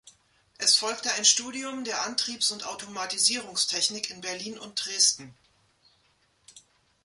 Es folgte ein Studium der Antriebs- und Automatisierungstechnik in Berlin und Dresden.